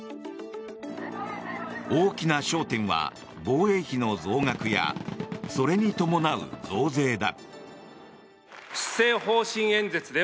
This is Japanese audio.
大きな焦点は防衛費の増額やそれに伴う増税だ。